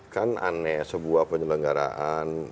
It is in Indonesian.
kan aneh sebuah penyelenggaraan